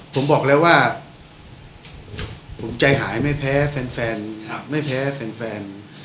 ผมบอกแล้วว่าผมใจหายไม่แพ้แฟนแฟนครับไม่แพ้แฟนแฟน